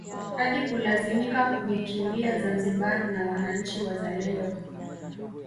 Hadi kulazimika kuikimbia Zanzibar na wananchi wazalendo